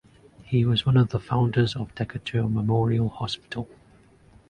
He was one of the founders of Decatur Memorial Hospital.